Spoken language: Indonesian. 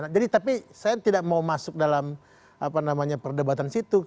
jadi tapi saya tidak mau masuk dalam apa namanya perdebatan situ